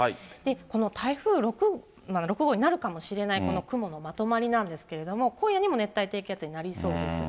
この台風、６号になるかもしれないこの雲のまとまりなんですけども、今夜にも熱帯低気圧になりそうです。